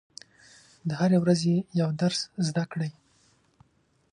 د هرې ورځې یو درس زده کړئ.